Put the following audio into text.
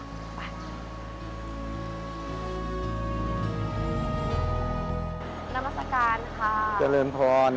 นามัศกาลค่ะเจริญพร